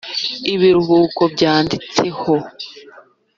ibiruhuko byanditseho *